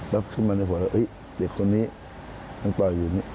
แล้วขึ้นมาในหัวแล้วเฮ้ยเด็กคนนี้น้องต่ออยู่นี่